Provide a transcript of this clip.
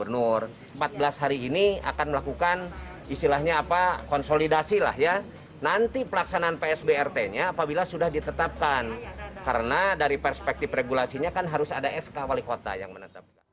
nah dari perspektif regulasinya kan harus ada sk wali kota yang menetapkan